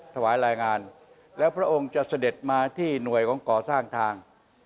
ถวายรายงานแล้วพระองค์จะเสด็จมาที่หน่วยของก่อสร้างทาง